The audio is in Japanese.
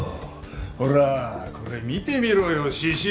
ほらこれ見てみろよ獅子雄。